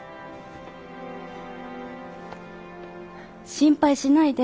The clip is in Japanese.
心配しないで。